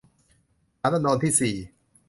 ฐานันดรที่สี่